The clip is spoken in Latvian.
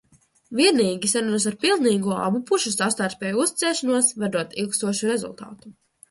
Vienīgi sarunas ar pilnīgu abu pušu savstarpēju uzticēšanos var dot ilgstošu rezultātu.